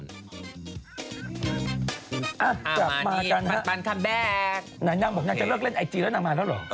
นั่งบอกนั่งจะเลิกเล่นไอจีแล้วนั่งมาแล้วเหรอ